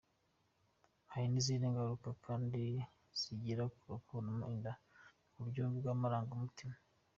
Hari n’izindi ngaruka kandi zigera ku bakuramo inda mu buryo bw’amarangamutima.